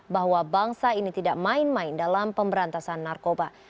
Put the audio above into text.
bahwa bangsa ini tidak main main dalam pemberantasan narkoba